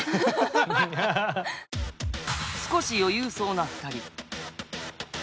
少し余裕そうな２人。